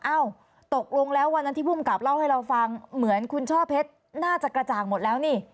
เอ้าตกลงแล้ววันนั้นที่ภูมิกับเล่าให้เราฟังเหมือนคุณช่อเพชรน่าจะกระจ่างหมดแล้วนี่